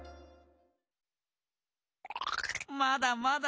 まだまだ。